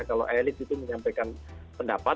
kalau elit itu menyampaikan pendapat